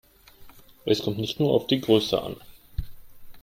Es kommt nicht nur auf die Größe an.